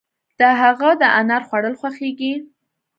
د هغه د انار خوړل خوښيږي.